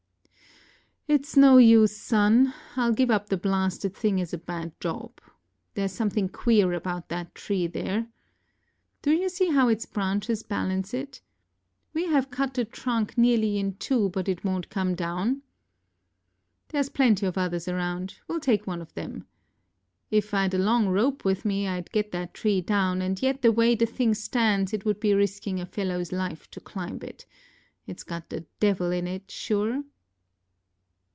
ŌĆØ ŌĆ£ItŌĆÖs no use, son. IŌĆÖll give up the blasted thing as a bad job. ThereŌĆÖs something queer about that there tree. Do you see how its branches balance it? We have cut the trunk nearly in two, but it wonŌĆÖt come down. ThereŌĆÖs plenty of others around; weŌĆÖll take one of them. If IŌĆÖd a long rope with me IŌĆÖd get that tree down, and yet the way the thing stands it would be risking a fellowŌĆÖs life to climb it. ItŌĆÖs got the devil in it, sure.